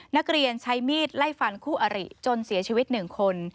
นักเรียนใช้มีดไล่ฟันคู่อริจนเสียชีวิต๑คน